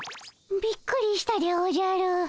びっくりしたでおじゃる。